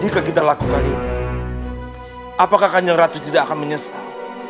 jika kita lakukan ini apakah kan yang ratu tidak akan menyesal